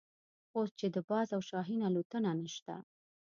اوس چې د باز او شاهین الوتنه نشته.